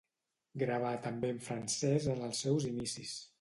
Gravà també en francès en els seus inicis.